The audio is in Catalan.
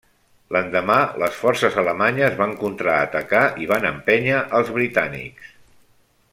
L'endemà, les forces alemanyes van contraatacar i van empènyer als britànics.